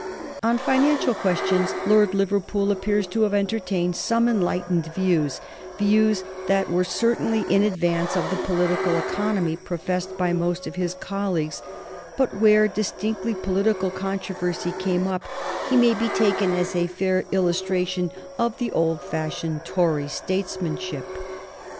On financial questions Lord Liverpool appears to have entertained some enlightened views, views that were certainly in advance of the political economy professed by most of his colleagues, but where distinctly political controversy came up he may be taken as a fair illustration of the old fashioned Tory statesmanship.